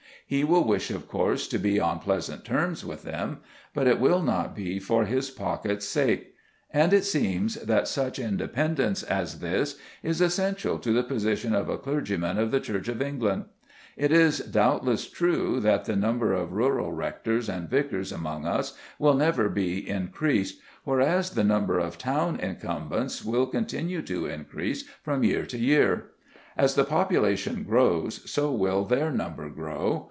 He will wish of course to be on pleasant terms with them, but it will not be for his pocket's sake. And it seems that such independence as this is essential to the position of a clergyman of the Church of England. It is doubtless true that the number of rural rectors and vicars among us will never be increased, whereas the number of town incumbents will continue to increase from year to year. As the population grows, so will their number grow.